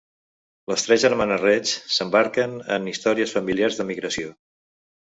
Les tres germanes Reig s'embranquen en històries familiars d'emigració.